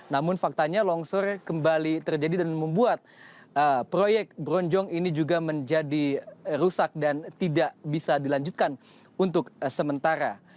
namun faktanya longsor kembali terjadi dan membuat proyek bronjong ini juga menjadi rusak dan tidak bisa dilanjutkan untuk sementara